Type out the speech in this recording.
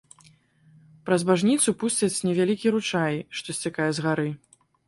Праз бажніцу пусцяць невялікі ручай, што сцякае з гары.